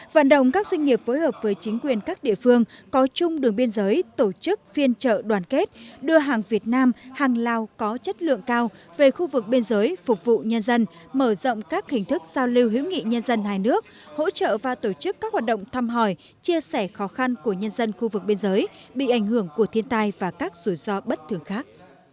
vận động các doanh nghiệp phối hợp với chính quyền các địa phương có chung đường biên giới tổ chức phiên trợ đoàn kết đưa hàng việt nam lào có chất lượng cao về khu vực biên giới phục vụ nhân dân mở rộng các hình thức giao lưu hữu nghị nhân dân hai nước hỗ trợ và tổ chức các hoạt động thăm hỏi chia sẻ khó khăn của nhân dân khu vực biên giới bị ảnh hưởng của thiên tai và các rủi ro bất thường khác